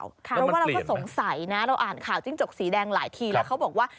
เพราะว่าเราก็สงสัยนะเราอ่านข่าวจิ้งจกสีแดงหลายทีแล้วเขาบอกว่า